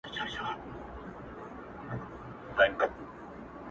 پوه سوم جهاني چي د انصاف سوالونه پاته وه؛